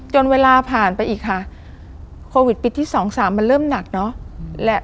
เวลาผ่านไปอีกค่ะโควิดปีที่๒๓มันเริ่มหนักเนอะ